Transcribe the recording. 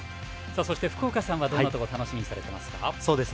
福岡さんはどんなところを楽しみにされていますか。